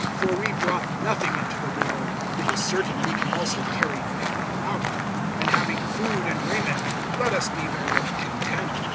(7)For we brought nothing into the world; it is certain we can also carry nothing out; (8)and having food and raiment, let us be therewith content.